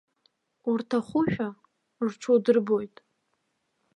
Урҭахушәа рҽудырбоит.